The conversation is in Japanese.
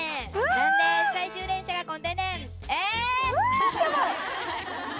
なんで最終電車がこんでんねん。ええ」。